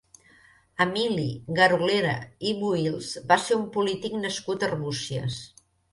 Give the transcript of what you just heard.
Emili Garolera i Bohils va ser un polític nascut a Arbúcies.